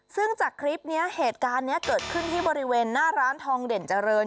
ซึ่งจากคลิปนี้เหตุการณ์นี้เกิดขึ้นที่บริเวณหน้าร้านทองเด่นเจริญ